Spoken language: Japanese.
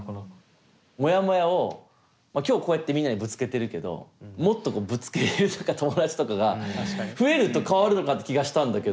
モヤモヤを今日こうやってみんなにぶつけてるけどもっとぶつけれる友達とかが増えると変わるのかって気がしたんだけど。